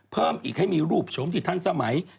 เพิ่มอีกให้มีรูปชมที่ทันสมัย